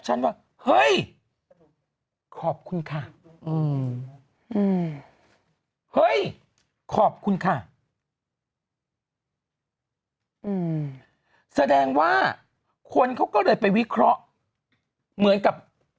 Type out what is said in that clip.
ขอบคุณค่ะอืมเฮ้ยขอบคุณค่ะอืมแสดงว่าคนเขาก็เลยไปวิเคราะห์เหมือนกับ